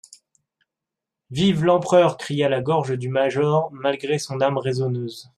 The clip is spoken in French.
«Vive l'Empereur !» cria la gorge du major, malgré son âme raisonneuse.